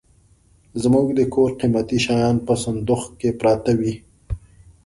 زموږ د کور قيمتي شيان په صندوخ کي پراته وي.